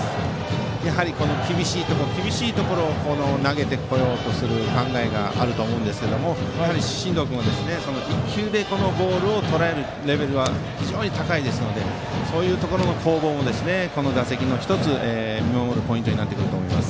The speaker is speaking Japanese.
厳しいところに投げてこようとする考えがあると思いますが真藤君も１球でボールをとらえるレベルが非常に高いのでそういうところの攻防もこの打席の見守るポイントになると思います。